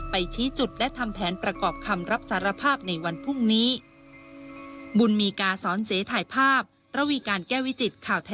ชี้จุดและทำแผนประกอบคำรับสารภาพในวันพรุ่งนี้